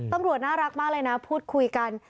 ตำรวจน่ารักมากเลยนะพูดคุยกัน